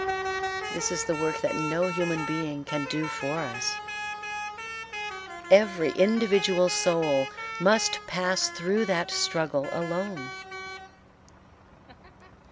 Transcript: This is the work that no human being can do for us. Every individual soul must pass through that struggle alone.